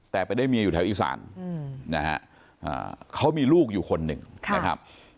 แต่ไปได้เมียอยู่แถวอีสานนะฮะเขามีลูกอยู่คนหนึ่งนะครับ